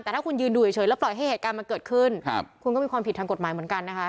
แต่ถ้าคุณยืนดูเฉยแล้วปล่อยให้เหตุการณ์มันเกิดขึ้นคุณก็มีความผิดทางกฎหมายเหมือนกันนะคะ